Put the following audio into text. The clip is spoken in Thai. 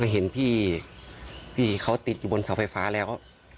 เห็นพี่เขาติดอยู่บนเสาไฟฟ้าแล้ว